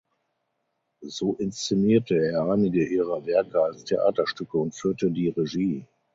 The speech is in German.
So inszenierte er einige ihrer Werke als Theaterstücke und führte die Regie.